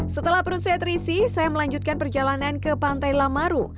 setelah perut saya terisi saya melanjutkan perjalanan ke pantai lamaru